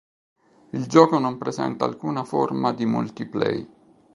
Il gioco non presenta alcuna forma di multiplay.